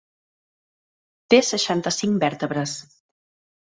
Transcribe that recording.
Té seixanta-cinc vèrtebres.